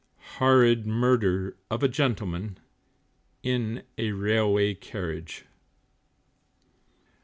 HORRID MURDER OF A GENTLEMAN, IN A RAILWAY CARRIAGE.